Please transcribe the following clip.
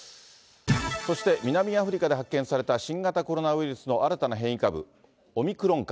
そして南アフリカで発見された新型コロナウイルスの新たな変異株、オミクロン株。